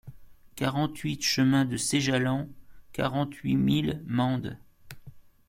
quarante-huit chemin de Séjalan, quarante-huit mille Mende